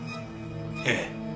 ええ。